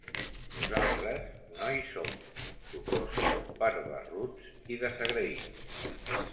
Nosaltres no hi som, suposo per barruts i desagraïts.